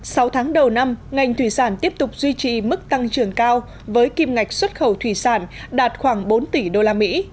sau tháng đầu năm ngành thủy sản tiếp tục duy trì mức tăng trưởng cao với kim ngạch xuất khẩu thủy sản đạt khoảng bốn tỷ đô la mỹ